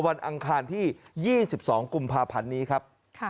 อังคารที่๒๒กุมภาพันธ์นี้ครับ